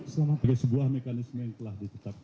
salam sejahtera untuk kita semua